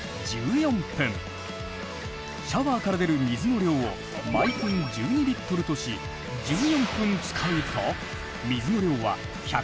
シャワーから出る水の量を毎分１２リットルとし１４分使うと水の量は１６８リットルになる。